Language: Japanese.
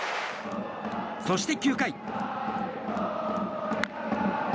そして９回。